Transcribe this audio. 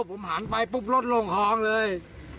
ผมหันไปปุ๊บรถลงคลองเลย